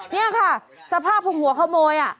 นี่ค่ะสภาพของหัวขโมย